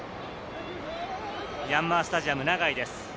ヤンマースタジアム長居です。